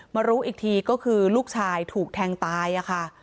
รู้อีกทีก็คือลูกชายถูกแทงตายค่ะ